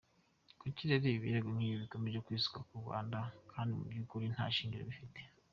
Kuki rero ibirego nk’ibi bikomeje kwisuka ku Rwanda, kandi mu byukuri ntashingiro bifite ?